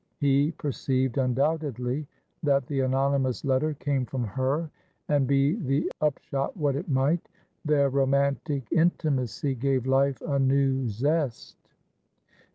He perceived, undoubtedly, that the anonymous letter came from her, and, be the upshot what it might, their romantic intimacy gave life a new zest.